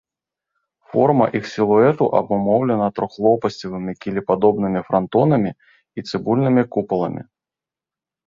Форма іх сілуэту абумоўлена трохлопасцевымі кілепадобнымі франтонамі і цыбульнымі купаламі.